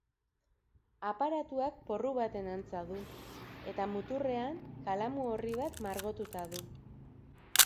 Aparatuak porru baten antza du, eta muturrean kalamu orri bat margotuta du.